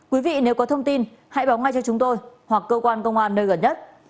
quý vị nếu có thông tin hãy báo ngay cho chúng tôi hoặc cơ quan công an nơi gần nhất